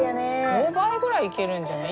５倍ぐらいいけるんじゃない？